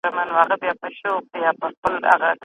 د ښووني او روزني لپاره نوي کړنلاره جوړه سوه.